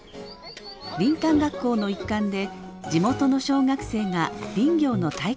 林間学校の一環で地元の小学生が林業の体験学習に来ました。